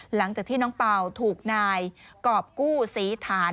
หลังจากที่น้องเป่าถูกนายกรอบกู้ศรีฐาน